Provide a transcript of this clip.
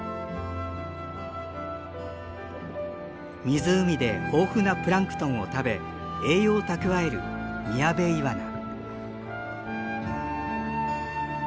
湖で豊富なプランクトンを食べ栄養を蓄えるミヤベイワナ。